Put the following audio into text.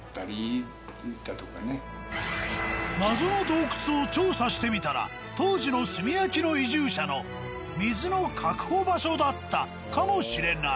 謎の洞窟を調査してみたら当時の炭焼きの移住者の水の確保場所だったかもしれない。